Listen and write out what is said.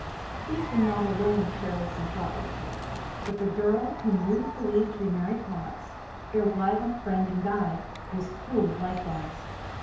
These were not alone careless and thoughtless, however; but the girl whom Ruth believed to be Mary Cox, their whilom friend and guide, was cruel likewise.